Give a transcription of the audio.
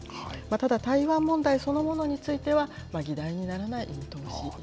ただ、台湾問題そのものについては、議題にならない見通しです。